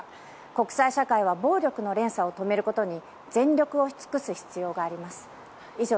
国際社会は暴力の連鎖を止めることに全力を尽くす必要があります。